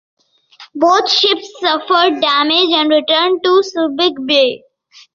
Both ships suffered damage and returned to Subic Bay.